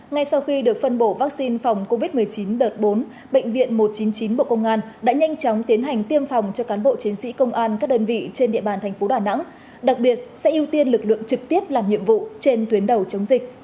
ngay sau khi được phân bổ vaccine phòng covid một mươi chín đợt bốn bệnh viện một trăm chín mươi chín bộ công an đã nhanh chóng tiến hành tiêm phòng cho cán bộ chiến sĩ công an các đơn vị trên địa bàn thành phố đà nẵng đặc biệt sẽ ưu tiên lực lượng trực tiếp làm nhiệm vụ trên tuyến đầu chống dịch